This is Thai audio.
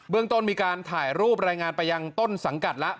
เรื่องต้นมีการถ่ายรูปรายงานไปยังต้นสังกัดแล้ว